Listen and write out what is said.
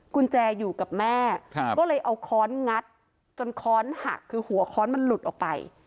กุญแจอยู่กับแม่ก็เลยเอาค้อนงัดจนค้อนหักคือหัวค้อนมันหลุดออกไป